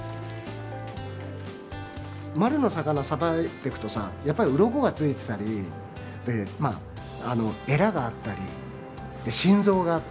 丸の魚さばいてくとさやっぱりウロコがついてたりエラがあったり心臓があったり驚くんですよ。